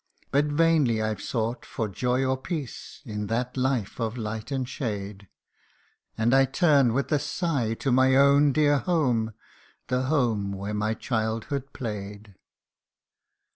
But vainly I've sought for joy or peace, In that life of light and shade ; And I turn with a sigh to my own dear home The home where my childhood played